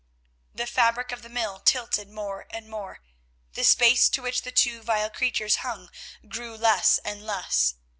The fabric of the mill tilted more and more; the space to which the two vile creatures hung grew less and less.